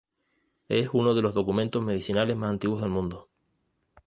Es uno de los documentos medicinales más antiguos del mundo.